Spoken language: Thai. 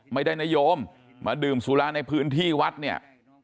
นโยมมาดื่มสุราในพื้นที่วัดเนี่ย